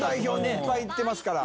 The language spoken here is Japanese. いっぱい行ってますから。